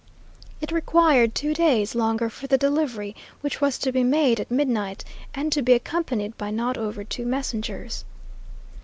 It required two days longer for the delivery, which was to be made at midnight, and to be accompanied by not over two messengers.